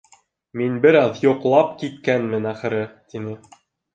— Мин бер аҙ йоҡлап киткәнмен, ахыры, — тине.